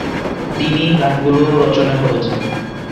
তিনিই গানগুলো রচনা করেছেন।